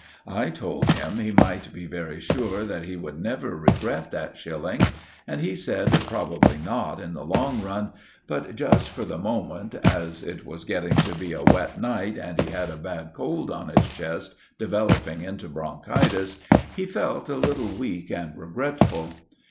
I told him he might be very sure that he would never regret that shilling; and he said probably not in the long run, but, just for the moment, as it was going to be a wet night and he had a bad cold on his chest developing into bronchitis, he felt a little weak and regretful.